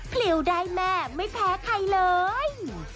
ลิวได้แม่ไม่แพ้ใครเลย